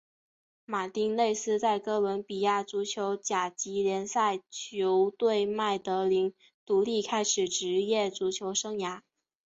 马丁内斯在哥伦比亚足球甲级联赛球队麦德林独立开始职业足球生涯。